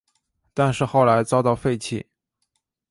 但是后来遭到废弃。